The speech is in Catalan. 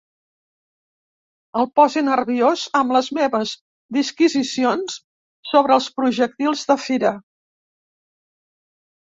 El posi nerviós amb les meves disquisicions sobre els projectils de fira.